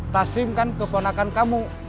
taslim kan keponakan kamu